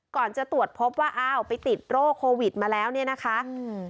ก่อนจะตรวจพบว่าอ้าวไปติดโรคโควิดมาแล้วเนี่ยนะคะอืม